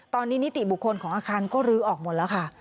ตอนนี้นิติบุคคลของอาคารก็ลื้อออกหมดแล้วค่ะ